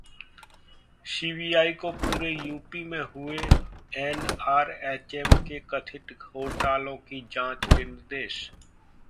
CBI को पूरे UP में हुए एनआरएचएम में कथित घोटालों की जांच के निर्देश